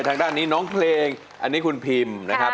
ทางด้านนี้น้องเพลงอันนี้คุณพิมนะครับ